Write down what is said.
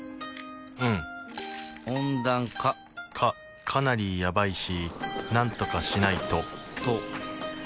うん温暖化かかなりやばいしなんとかしないとと解けちゃうね